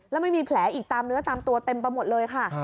แล้วไม่มีแผลอีกตามเนื้อตามตัวเต็มไปหมดเลยค่ะ